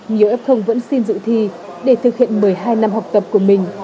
nhiều f vẫn xin dự thi để thực hiện một mươi hai năm học tập của mình